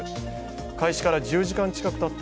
開始から１０時間近くたった